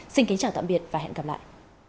xin kính chào tạm biệt và hẹn gặp lại